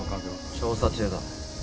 調査中だ。